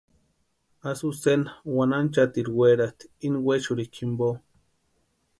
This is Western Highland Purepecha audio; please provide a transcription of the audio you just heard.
Azucena wanhanchatiri werasti ini wexurhini jimpo.